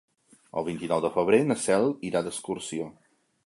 El vint-i-nou de febrer na Cel irà d'excursió.